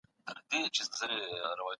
پانګوال به بازار ته نوي عرضه وړاندي کړي.